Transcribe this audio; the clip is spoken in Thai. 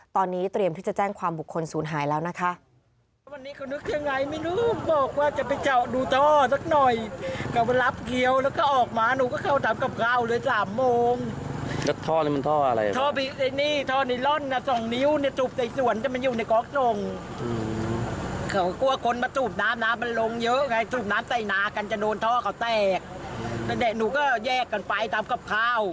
ตอนนี้เตรียมที่จะแจ้งความบุคคลศูนย์หายแล้วนะคะ